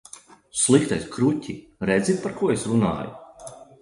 Sliktais kruķi, redzi, par ko es runāju?